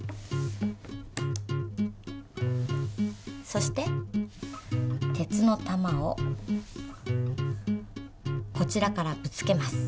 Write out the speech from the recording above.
そして鉄の玉をこちらからぶつけます。